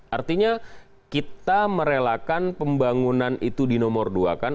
artinya kita merelakan pembangunan itu di nomor dua kan